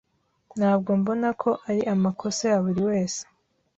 Ntabwo mbona ko ari amakosa ya buri wese.